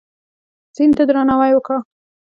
سیند ته درناوی وکړه.